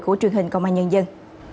của truyền hình công an nhân dân